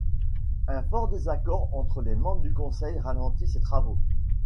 Un fort désaccord entre les membres du Conseil ralentit ses travaux.